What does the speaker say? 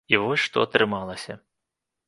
І вось, што атрымалася.